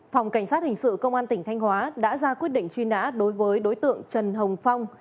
phòng cảnh sát hình sự công an tỉnh thanh hóa đã ra quyết định truy nã đối với đối tượng trần hồng phong